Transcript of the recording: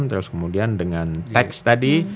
terus kemudian dengan teks tadi